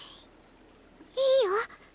いいよ。